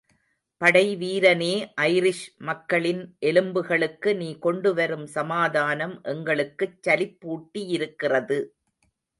படை வீரனே ஐரிஷ் மக்களின் எலும்புகளுக்கு நீ கொண்டு வரும் சமாதானம் எங்களுக்குச் சலிப்பூட்டியிருக்கிறது.